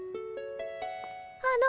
あの。